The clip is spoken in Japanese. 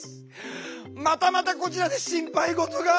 またまたこちらで心配事が。